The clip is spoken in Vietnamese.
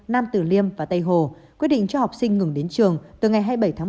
nam tử liêm và tây hồ quyết định cho học sinh ngừng đến trường từ ngày hai mươi bảy tháng một